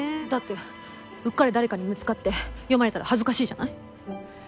だってうっかり誰かに見つかって読まれたら恥ずかしいじゃない。